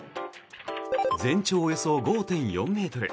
全長およそ５．４ｍ。